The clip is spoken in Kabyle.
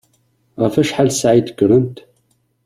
Ɣef wacḥal ssaɛa i d-kkrent?